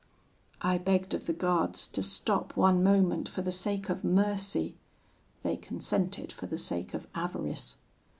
"I begged of the guards to stop one moment for the sake of mercy; they consented for the sake of avarice.